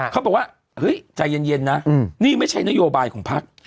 เขาบอกว่าเฮ้ยใจเย็นเย็นนะอืมนี่ไม่ใช่นโยบายของภักดิ์